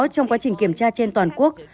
trong quá trình kiểm tra trên toàn quốc